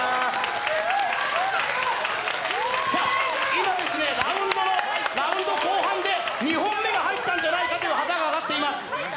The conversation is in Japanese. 今、ラウンド後半で２本目が入ったんじゃないかと旗が上がっています。